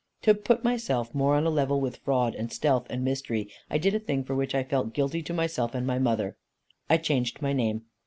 To put myself more on a level with fraud, and stealth, and mystery, I did a thing for which I felt guilty to myself and my mother. I changed my name.